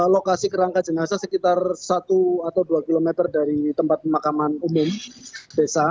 lokasi kerangka jenazah sekitar satu atau dua km dari tempat pemakaman umum desa